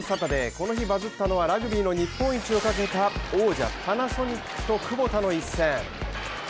この日、バズったのはラグビーの日本一をかけた王者パナソニックとクボタの一戦。